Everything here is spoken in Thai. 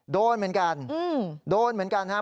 โดนเหมือนกันโดนเหมือนกันครับ